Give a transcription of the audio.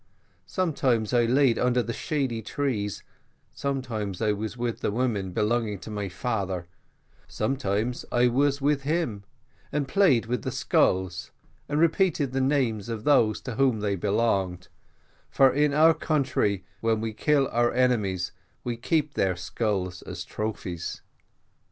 Some times I lay under the shady trees, sometimes I was with the women belonging to my father, sometimes I was with him and played with the skulls, and repeated the names of those to whom they had belonged, for in our country, when we kill our enemies, we keep their skulls as trophies.